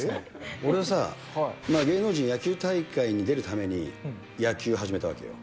俺さ、芸能人野球大会に出るために、野球始めたわけよ。